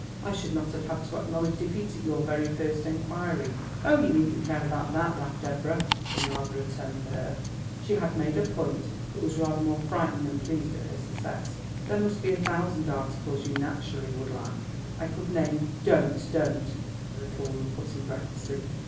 "I should not have had to acknowledge defeat at your very first inquiry." "Oh! you needn't care about that," laughed Deborah, in rather a hard tone for her. She had made her point, but was rather more frightened than pleased at her success. "There must be a thousand articles you naturally would lack. I could name " "Don't, don't!" the little woman put in breathlessly.